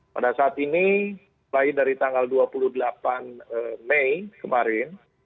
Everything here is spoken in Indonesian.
pada saat ini mulai dari tanggal dua puluh delapan mei kemarin